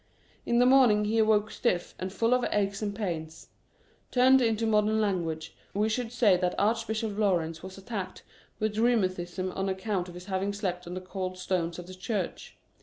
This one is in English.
In the morning he awoke stiff and full of aches and pains. Turned into modern language, we should say that Archbishop Laurence was attacked with rheu matism on account of his having slept on the cold stones of the church.